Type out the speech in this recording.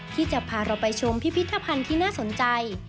ที่จะพาเราไปชมพิพิธภัณฑ์ที่น่าสนใจ